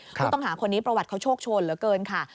ผู้ต้องหาคนนี้ประวัติเขาโชคโชนเหลือเกินค่ะ